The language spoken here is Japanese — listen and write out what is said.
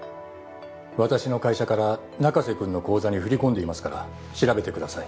私の会社から中瀬くんの口座に振り込んでいますから調べてください。